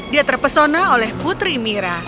dia terpesona oleh putri mira